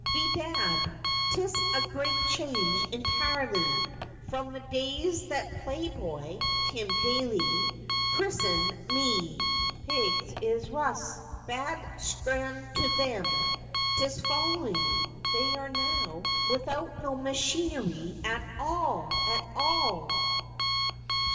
Bedad, 'tis a great change, entirelv, from the days that play boy Tim Daly crissened me '; Pigs is rus." Bad scran to them, 'tis fallin' they are now widout no ma chinery at all, at all.'